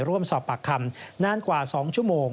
ร่วมสอบปากคำนานกว่า๒ชั่วโมง